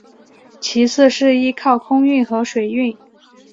其次是依靠空运和水运。